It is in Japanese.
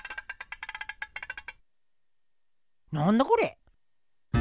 なんだこれ？